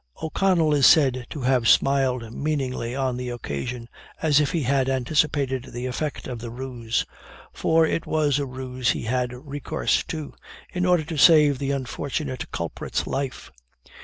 O'Connell is said to have smiled meaningly on the occasion, as if he had anticipated the effect of the ruse; for it was a ruse he had recourse to, in order to save the unfortunate culprit's life.